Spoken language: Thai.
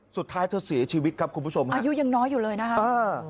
สุดท้ายเธอเสียชีวิตครับคุณผู้ชมฮะอายุยังน้อยอยู่เลยนะคะอ่า